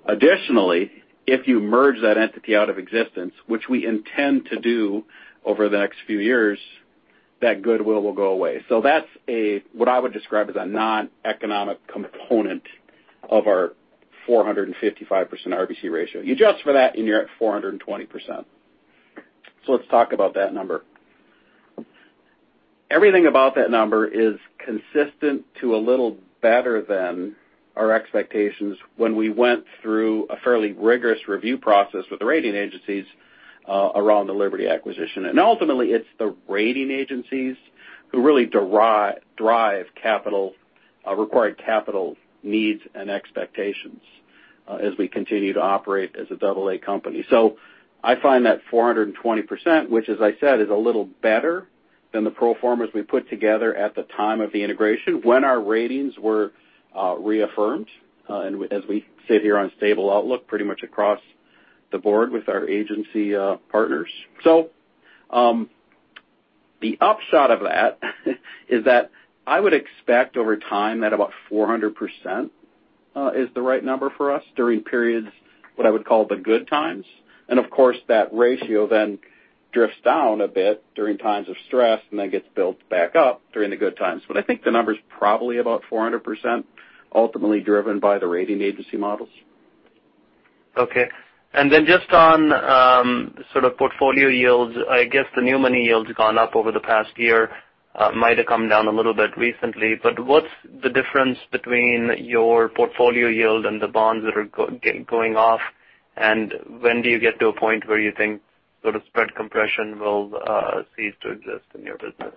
Additionally, if you merge that entity out of existence, which we intend to do over the next few years, that goodwill will go away. That's what I would describe as a non-economic component of our 455% RBC ratio. You adjust for that, and you're at 420%. Let's talk about that number. Everything about that number is consistent to a little better than our expectations when we went through a fairly rigorous review process with the rating agencies around the Liberty acquisition. Ultimately, it's the rating agencies who really drive required capital needs and expectations as we continue to operate as a double-A company. I find that 420%, which as I said, is a little better than the pro formas we put together at the time of the integration when our ratings were reaffirmed, and as we sit here on stable outlook pretty much across the board with our agency partners. The upshot of that is that I would expect over time that about 400% is the right number for us during periods, what I would call the good times. Of course, that ratio then drifts down a bit during times of stress and then gets built back up during the good times. I think the number's probably about 400%, ultimately driven by the rating agency models. Okay. Then just on sort of portfolio yields, I guess the new money yield's gone up over the past year. Might have come down a little bit recently, but what's the difference between your portfolio yield and the bonds that are going off, and when do you get to a point where you think sort of spread compression will cease to exist in your business?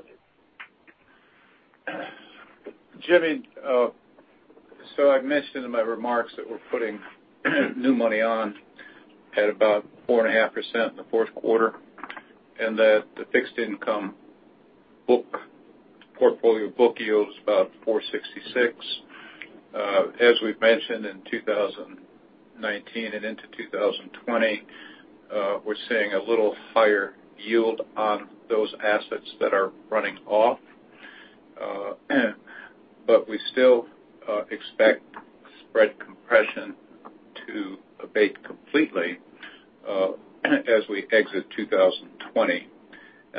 Jimmy, I mentioned in my remarks that we're putting new money on at about 4.5% in the fourth quarter, and that the fixed income book portfolio book yield is about 4.66%. As we've mentioned in 2019 and into 2020, we're seeing a little higher yield on those assets that are running off. We still expect spread compression to abate completely as we exit 2020.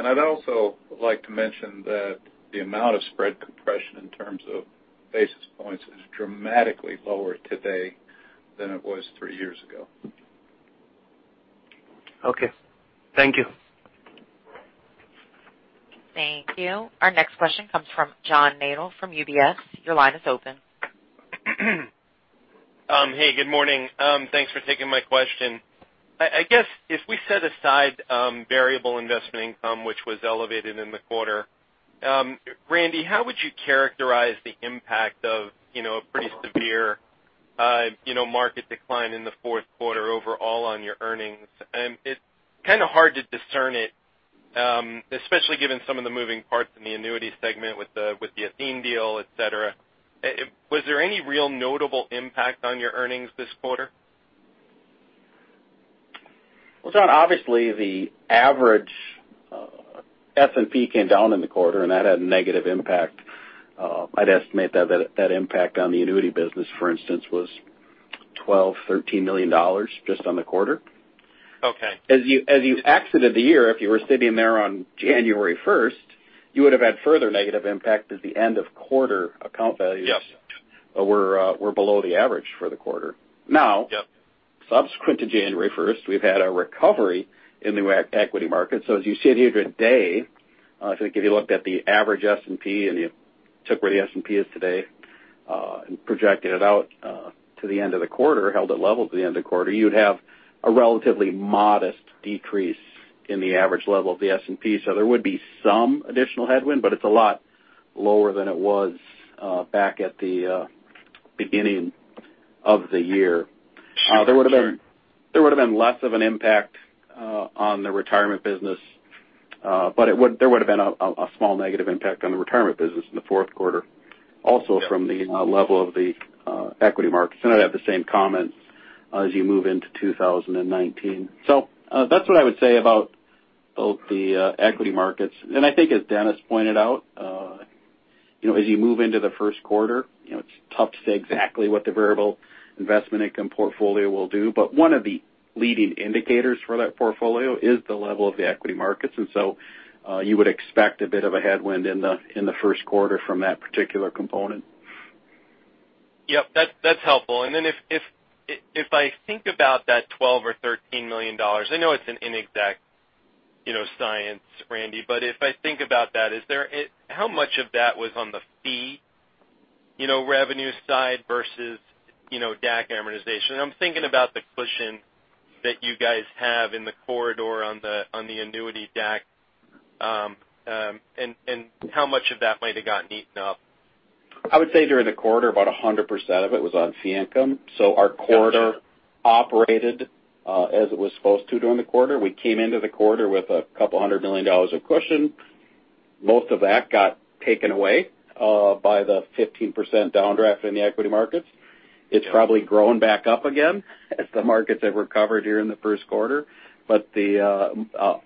I'd also like to mention that the amount of spread compression in terms of basis points is dramatically lower today than it was three years ago. Okay. Thank you. Thank you. Our next question comes from John Nadel from UBS. Your line is open. Hey, good morning. Thanks for taking my question. I guess if we set aside variable investment income, which was elevated in the quarter, Randy, how would you characterize the impact of a pretty severe market decline in the fourth quarter overall on your earnings? It's kind of hard to discern it, especially given some of the moving parts in the annuity segment with the Athene deal, et cetera. Was there any real notable impact on your earnings this quarter? Well, John, obviously the average S&P came down in the quarter, and that had a negative impact. I'd estimate that impact on the annuity business, for instance, was $12 million, $13 million just on the quarter. Okay. As you exited the year, if you were sitting there on January 1st, you would have had further negative impact as the end of quarter account values. Yes were below the average for the quarter. Yep Subsequent to January 1st, we've had a recovery in the equity market. As you sit here today, if you looked at the average S&P and you took where the S&P is today, and projected it out to the end of the quarter, held it level to the end of the quarter, you would have a relatively modest decrease in the average level of the S&P. There would be some additional headwind, but it's a lot lower than it was back at the beginning of the year. Sure. There would've been less of an impact on the retirement business. There would've been a small negative impact on the retirement business in the fourth quarter also from the level of the equity markets. I'd have the same comments as you move into 2019. That's what I would say about both the equity markets. I think as Dennis pointed out, as you move into the first quarter, it's tough to say exactly what the variable investment income portfolio will do, but one of the leading indicators for that portfolio is the level of the equity markets, you would expect a bit of a headwind in the first quarter from that particular component. Yep. That's helpful. If I think about that $12 million or $13 million, I know it's an inexact science, Randy, if I think about that, how much of that was on the fee revenue side versus DAC amortization. I'm thinking about the cushion that you guys have in the corridor on the annuity DAC, and how much of that might have gotten eaten up. I would say during the quarter, about 100% of it was on fee income. Our quarter operated as it was supposed to during the quarter. We came into the quarter with a couple of hundred million dollars of cushion. Most of that got taken away by the 15% downdraft in the equity markets. It's probably grown back up again as the markets have recovered here in the first quarter. All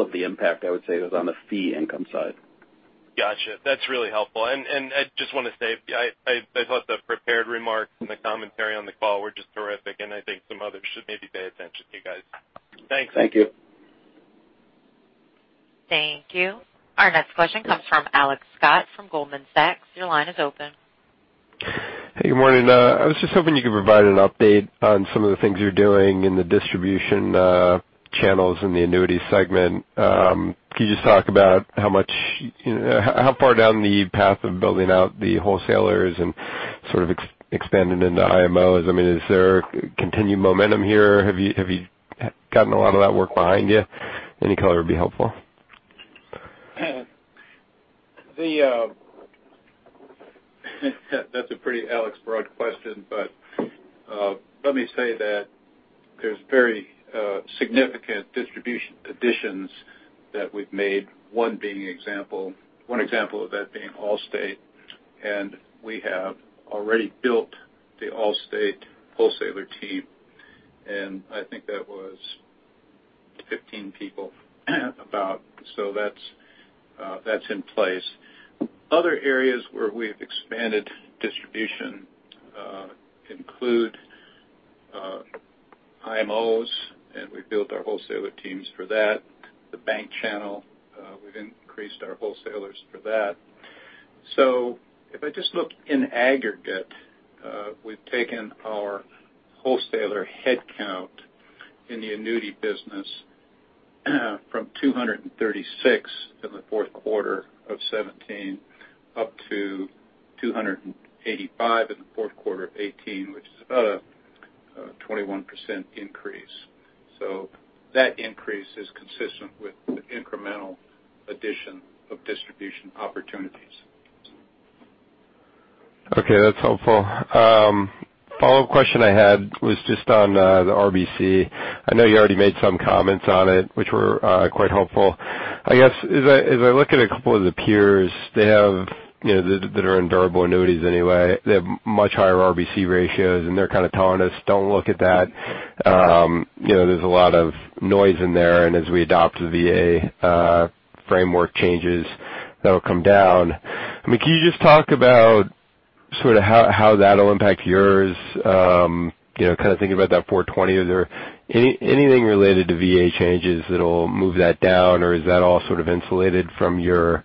of the impact, I would say, was on the fee income side. Got you. That's really helpful. I just want to say, I thought the prepared remarks and the commentary on the call were just terrific, and I think some others should maybe pay attention to you guys. Thanks. Thank you. Thank you. Our next question comes from Alex Scott from Goldman Sachs. Your line is open. Hey, good morning. I was just hoping you could provide an update on some of the things you're doing in the distribution channels in the annuity segment. Can you just talk about how far down the path of building out the wholesalers and sort of expanding into IMOs? Is there continued momentum here? Have you gotten a lot of that work behind you? Any color would be helpful. That's a pretty Alex broad question. Let me say that there's very significant distribution additions that we've made. One example of that being Allstate. We have already built the Allstate wholesaler team, and I think that was 15 people about. That's in place. Other areas where we've expanded distribution include IMOs. We've built our wholesaler teams for that. The bank channel, we've increased our wholesalers for that. If I just look in aggregate, we've taken our wholesaler headcount in the annuity business from 236 in the fourth quarter of 2017 up to 285 in the fourth quarter of 2018, which is about a 21% increase. That increase is consistent with the incremental addition of distribution opportunities. Okay, that's helpful. Follow-up question I had was just on the RBC. I know you already made some comments on it, which were quite helpful. I guess, as I look at a couple of the peers that are in durable annuities anyway, they have much higher RBC ratios. They're kind of telling us, "Don't look at that. There's a lot of noise in there, and as we adopt the VA framework changes, that'll come down." Can you just talk about how that'll impact yours, kind of thinking about that 420? Is there anything related to VA changes that'll move that down, or is that all sort of insulated from your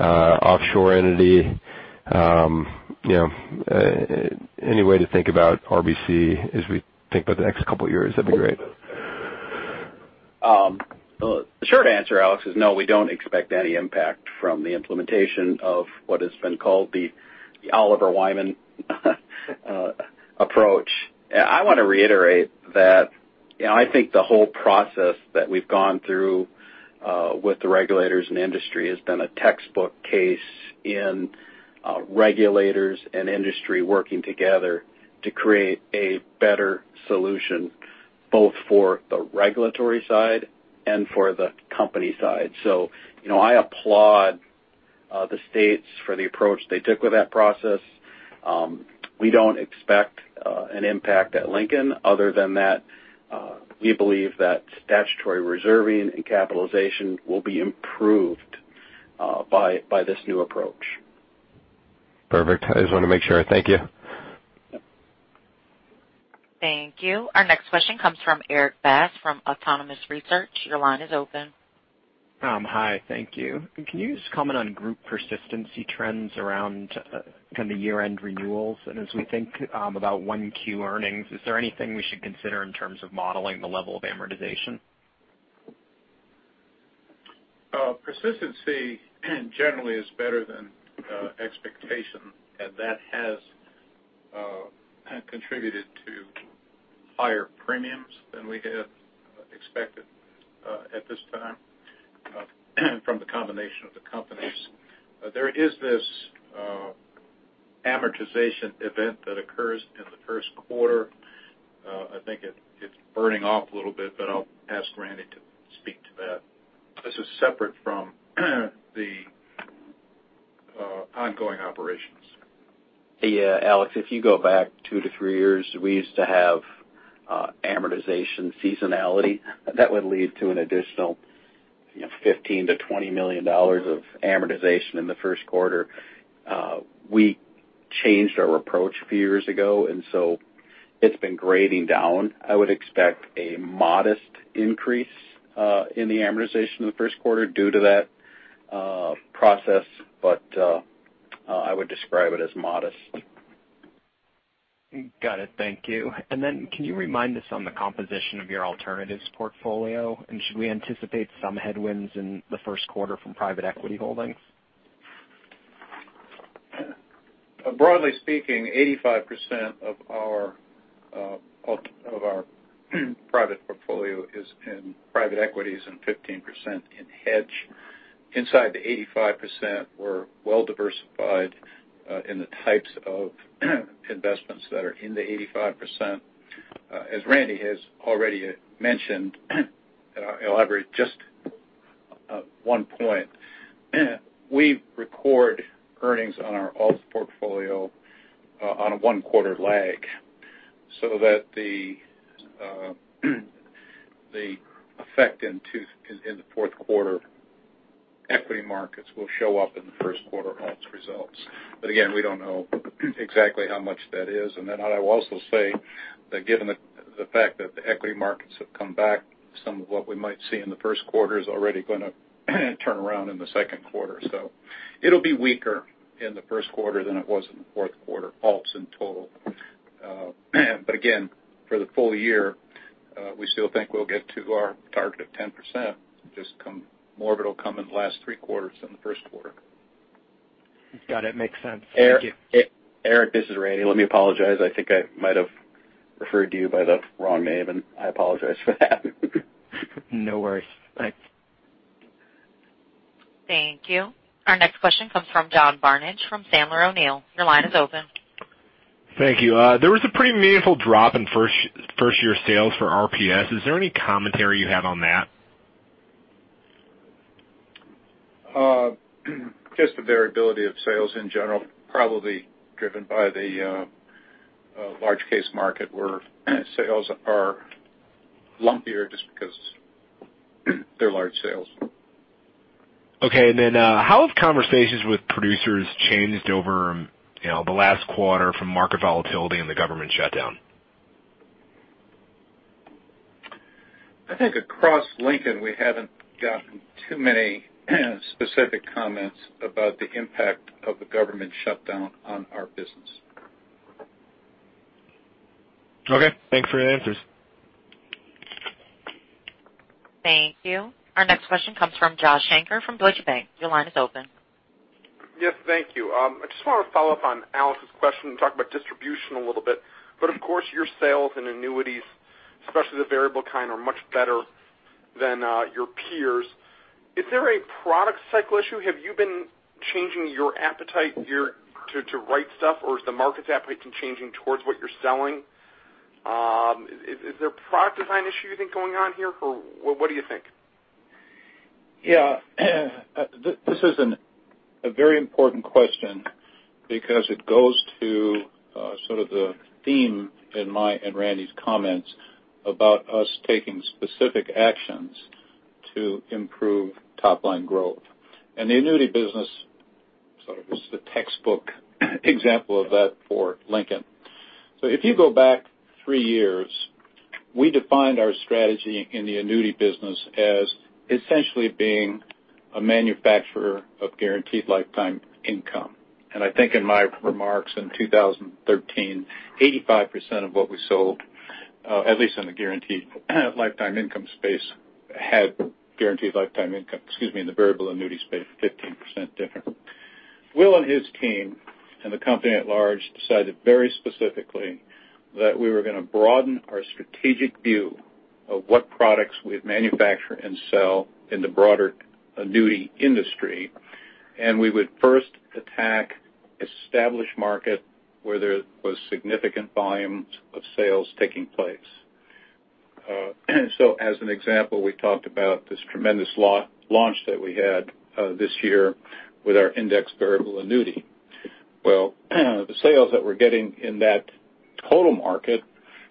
offshore entity? Any way to think about RBC as we think about the next couple of years, that'd be great. The short answer, Alex, is no, we don't expect any impact from the implementation of what has been called the Oliver Wyman approach. I want to reiterate that I think the whole process that we've gone through with the regulators and industry has been a textbook case in regulators and industry working together to create a better solution, both for the regulatory side and for the company side. I applaud the states for the approach they took with that process. We don't expect an impact at Lincoln other than that we believe that statutory reserving and capitalization will be improved by this new approach. Perfect. I just wanted to make sure. Thank you. Thank you. Our next question comes from Erik Bass from Autonomous Research. Your line is open. Hi, thank you. Can you just comment on group persistency trends around kind of year-end renewals? As we think about 1Q earnings, is there anything we should consider in terms of modeling the level of amortization? Persistency generally is better than expectation, that has contributed to higher premiums than we had expected at this time from the combination of the companies. There is this amortization event that occurs in the first quarter. I think it's burning off a little bit, but I'll ask Randy to speak to that. This is separate from the ongoing operations. Hey Erick, if you go back two to three years, we used to have amortization seasonality that would lead to an additional $15 million-$20 million of amortization in the first quarter. We changed our approach a few years ago, so it's been grading down. I would expect a modest increase in the amortization in the first quarter due to that process, but I would describe it as modest Got it. Thank you. Can you remind us on the composition of your alternatives portfolio? Should we anticipate some headwinds in the first quarter from private equity holdings? Broadly speaking, 85% of our private portfolio is in private equities and 15% in hedge. Inside the 85%, we're well-diversified, in the types of investments that are in the 85%. As Randy has already mentioned, I'll elaborate just one point. We record earnings on our alts portfolio on a one-quarter lag so that the effect in the fourth quarter equity markets will show up in the first quarter alts results. Again, we don't know exactly how much that is. I would also say that given the fact that the equity markets have come back, some of what we might see in the first quarter is already going to turn around in the second quarter. It'll be weaker in the first quarter than it was in the fourth quarter, alts in total. Again, for the full year, we still think we'll get to our target of 10%, just more of it will come in the last 3 quarters than the 1st quarter. Got it. Makes sense. Thank you. Erik, this is Randal. Let me apologize. I think I might have referred to you by the wrong name, and I apologize for that. No worries. Thanks. Thank you. Our next question comes from John Barnidge from Sandler O'Neill. Your line is open. Thank you. There was a pretty meaningful drop in first-year sales for RPS. Is there any commentary you have on that? Just the variability of sales in general, probably driven by the large case market where sales are lumpier just because they're large sales. Okay. Then how have conversations with producers changed over the last quarter from market volatility and the government shutdown? I think across Lincoln, we haven't gotten too many specific comments about the impact of the government shutdown on our business. Okay. Thanks for your answers. Thank you. Our next question comes from Joshua Shanker from Deutsche Bank. Your line is open. Yes, thank you. I just want to follow up on Alex's question and talk about distribution a little bit. Of course, your sales and annuities, especially the variable kind, are much better than your peers. Is there a product cycle issue? Have you been changing your appetite to write stuff, or is the market's appetite changing towards what you're selling? Is there a product design issue you think is going on here, or what do you think? Yeah. This is a very important question because it goes to sort of the theme in my and Randy's comments about us taking specific actions to improve top-line growth. The annuity business sort of is the textbook example of that for Lincoln. If you go back three years, we defined our strategy in the annuity business as essentially being a manufacturer of guaranteed lifetime income. I think in my remarks in 2013, 85% of what we sold, at least in the guaranteed lifetime income space, had guaranteed lifetime income. Excuse me, in the variable annuity space, 15% different. Will and his team and the company at large decided very specifically that we were going to broaden our strategic view of what products we'd manufacture and sell in the broader annuity industry. We would first attack established market where there was significant volumes of sales taking place. As an example, we talked about this tremendous launch that we had this year with our indexed variable annuity. The sales that we're getting in that total market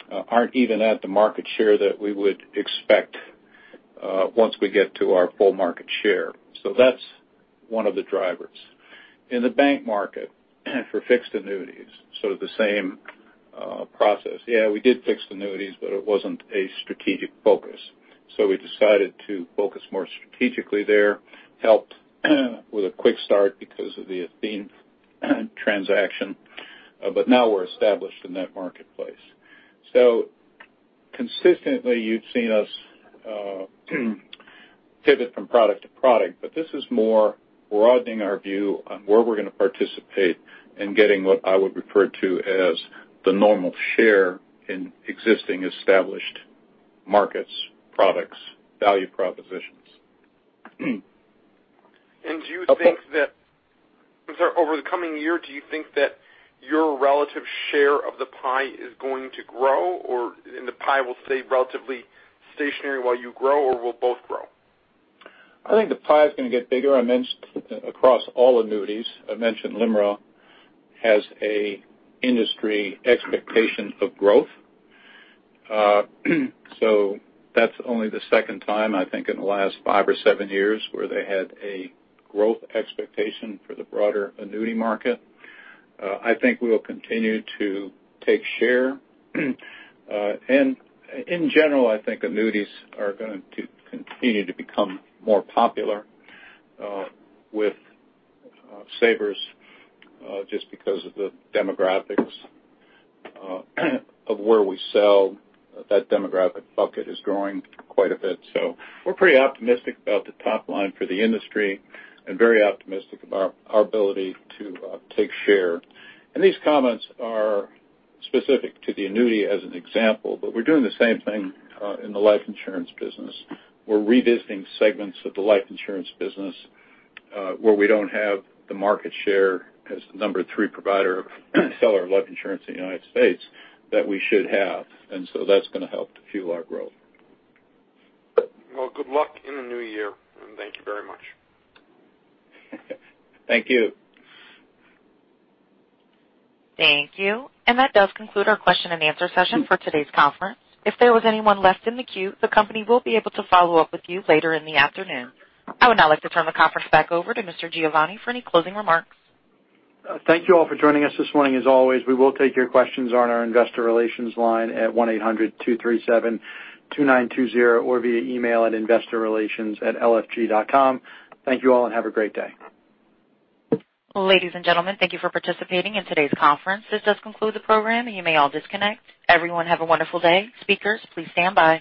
aren't even at the market share that we would expect once we get to our full market share. That's one of the drivers. In the bank market for fixed annuities, sort of the same process. Yeah, we did fixed annuities, but it wasn't a strategic focus. We decided to focus more strategically there, helped with a quick start because of the Athene transaction. Now we're established in that marketplace. Consistently, you've seen us pivot from product to product, but this is more broadening our view on where we're going to participate in getting what I would refer to as the normal share in existing established markets, products, value propositions. Do you think that over the coming year, do you think that your relative share of the pie is going to grow, or the pie will stay relatively stationary while you grow, or will both grow? I think the pie is going to get bigger. I mentioned across all annuities. I mentioned LIMRA has an industry expectation of growth. That's only the second time, I think, in the last five or seven years where they had a growth expectation for the broader annuity market. I think we will continue to take share. In general, I think annuities are going to continue to become more popular with savers just because of the demographics of where we sell. That demographic bucket is growing quite a bit. We're pretty optimistic about the top line for the industry and very optimistic about our ability to take share. These comments are specific to the annuity as an example, but we're doing the same thing in the life insurance business. We're revisiting segments of the life insurance business where we don't have the market share as the number 3 provider seller of life insurance in the United States that we should have. That's going to help to fuel our growth. Good luck in the new year, and thank you very much. Thank you. Thank you. That does conclude our question and answer session for today's conference. If there was anyone left in the queue, the company will be able to follow up with you later in the afternoon. I would now like to turn the conference back over to Mr. Giovanni for any closing remarks. Thank you all for joining us this morning. As always, we will take your questions on our investor relations line at 1-800-237-2920 or via email at investorrelations@lfg.com. Thank you all, and have a great day. Ladies and gentlemen, thank you for participating in today's conference. This does conclude the program. You may all disconnect. Everyone have a wonderful day. Speakers, please stand by.